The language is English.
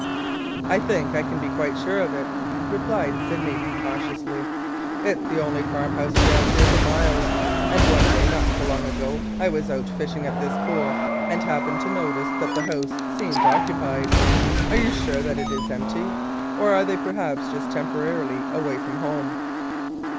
"I think I can be quite sure of it," replied Sydney cautiously. "It 's the only farm house around here for miles. And one day, not so long ago, I was out fishing at this pool and happened to notice that the house seemed occupied. Are you sure that it is empty, or are they perhaps just temporarily away from home?"